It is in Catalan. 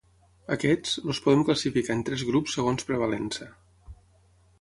Aquests, els podem classificar en tres grups segons prevalença.